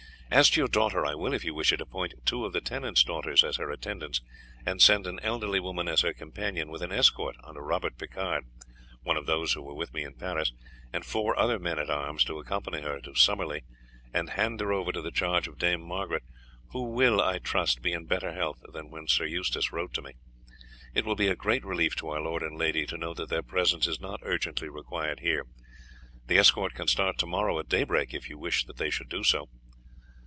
As to your daughter, I will, if you wish it, appoint two of the tenants' daughters as her attendants, and send an elderly woman as her companion, with an escort under Robert Picard, one of those who were with me in Paris, and four other men at arms to accompany her to Summerley and hand her over to the charge of Dame Margaret, who will, I trust, be in better health than when Sir Eustace wrote to me. It will be a great relief to our lord and lady to know that their presence is not urgently required here. The escort can start to morrow at daybreak if you wish that they should do so."